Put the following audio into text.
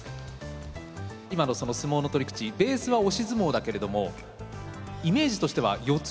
今のその相撲の取り口ベースは押し相撲だけれどもイメージとしては四つ